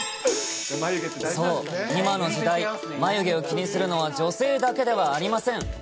そう、今の時代、眉毛を気にするのは女性だけではありません。